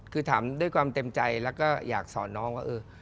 คือถามด้วยความเต็มใจแล้วก็อยากสอนน้องว่าเออ